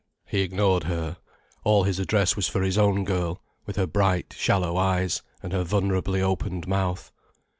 He ignored her. All his address was for his own girl, with her bright, shallow eyes and her vulnerably opened mouth.